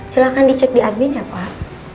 silahkan dicek di argen ya pak